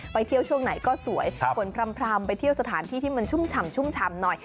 ไปเที่ยวช่วงไหนก็สวยฝนพร่ำไปเที่ยวสถานที่ที่มันชุ่มฉ่ำชุ่มฉ่ำหน่อย